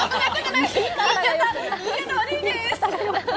言い方悪いです！